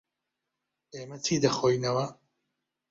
ئێمە چی دەخۆینەوە؟